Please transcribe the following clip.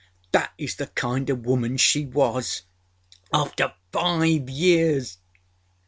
â Thatâs the kind oâ woman she wasâafter five years!